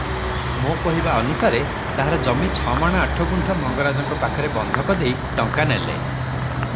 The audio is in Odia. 'ମୋ କହିବା ଅନୁସାରେ ତାହାର ଜମି 'ଛମାଣ ଆଠଗୁଣ୍ଠ' ମଙ୍ଗରାଜଙ୍କ ପାଖରେ ବନ୍ଧକ ଦେଇ ଟଙ୍କା ନେଲେ ।